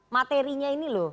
materinya ini loh